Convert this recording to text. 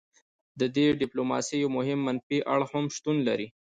د دې ډیپلوماسي یو مهم منفي اړخ هم شتون لري